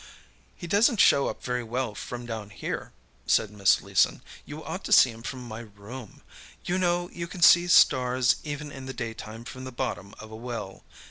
"He doesn't show up very well from down here," said Miss Leeson. "You ought to see him from my room. You know you can see stars even in the daytime from the bottom of a well.